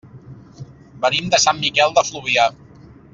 Venim de Sant Miquel de Fluvià.